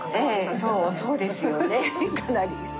そうですよねかなり。